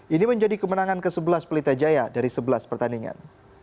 ini menjadi kemenangan ke sebelas pelita jaya dari sebelas pertandingan